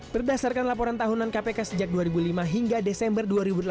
berdasarkan laporan tahunan kpk sejak dua ribu lima hingga desember dua ribu delapan belas